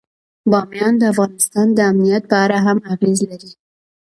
بامیان د افغانستان د امنیت په اړه هم اغېز لري.